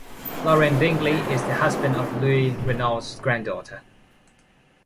Laurent Dingli is the husband of Louis Renault's granddaughter.